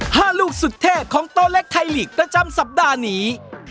ลูกสุดเทพของโตเล็กไทยลีกประจำสัปดาห์นี้